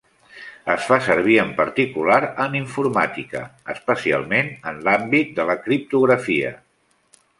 Es fa servir en particular en informàtica, especialment en l'àmbit de la criptografia.